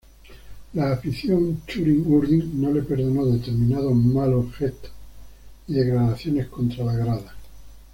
La afición txuri-urdin no le perdonó determinados malos gestos y declaraciones contra la grada.